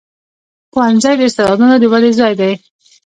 ښوونځی د استعدادونو د ودې ځای دی.